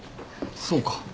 そうか。